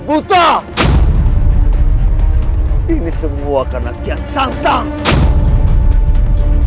kita akan kembali ke pak jajaran pak